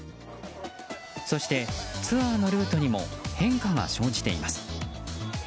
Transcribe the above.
そして、ツアーのルートにも変化が生じています。